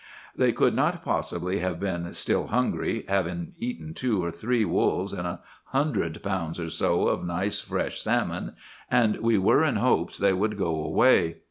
"They could not possibly have been still hungry, having eaten two or three wolves and a hundred pounds or so of nice fresh salmon, and we were in hopes they would go away.